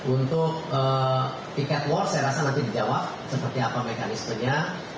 untuk tiket war saya rasa nanti dijawab seperti apa mekanismenya